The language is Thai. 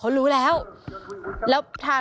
กินขออาหาร